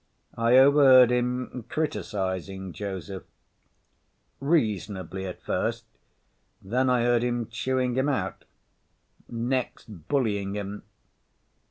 I overheard him criticizing Joseph. Reasonably at first; then I heard him chewing him out—next bullying him.